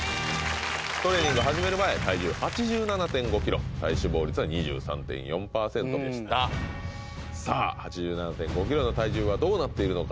トレーニング始める前体重８７．５ｋｇ体脂肪率は２３．４％でしたさあ８７．５ｋｇの体重はどうなっているのか？